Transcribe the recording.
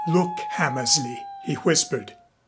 "Look, Hammersley," he whispered.